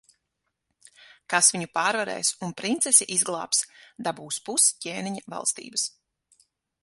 Kas viņu pārvarēs un princesi izglābs, dabūs pus ķēniņa valstības.